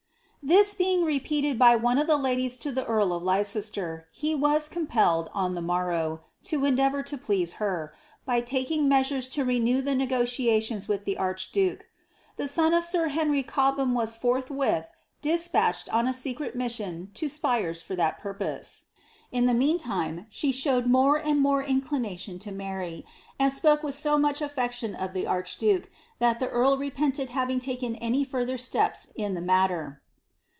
' This being repeated by one of the ladies to the earl of Leicester, he was compelled, on the morrow, to endeavour to please her, by taking measures to renew the negotiations with the archduke; the son of sir Henry Cobham was forthwith despatched on a secret mission to Spires for that purpose. In the meantime, she showed more and more inclina tioa to marry, and spoke with so much affection of the archduke, that the earl repented having taken any further steps in the matter.